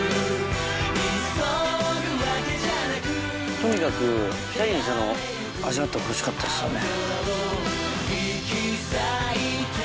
とにかく２人に味わってほしかったですよね。